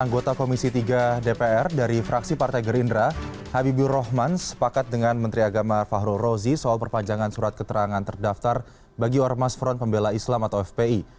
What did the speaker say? anggota komisi tiga dpr dari fraksi partai gerindra habibur rahman sepakat dengan menteri agama fahrul rozi soal perpanjangan surat keterangan terdaftar bagi ormas front pembela islam atau fpi